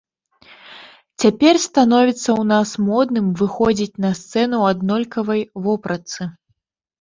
Цяпер становіцца ў нас модным выходзіць на сцэну ў аднолькавай вопратцы.